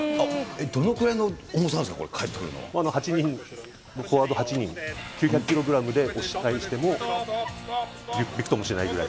どのくらいの重さなんですか、８人、フォワード８人、９００キログラムで押し返してもびくともしないぐらい。